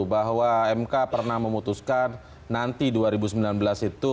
bahwa mk pernah memutuskan nanti dua ribu sembilan belas itu